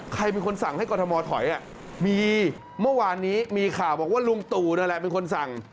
ใครเป็นคนสั่งให้กรทมถอยมีเมื่อวานนี้มีข่าวบอกว่าลุงตู่นั่นแหละเป็นคนสั่ง